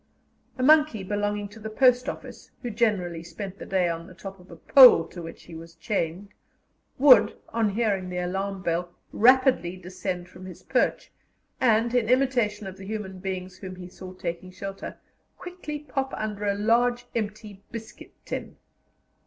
A monkey belonging to the post office, who generally spent the day on the top of a pole to which he was chained, would, on hearing the alarm bell, rapidly descend from his perch, and, in imitation of the human beings whom he saw taking shelter, quickly pop under a large empty biscuit tin.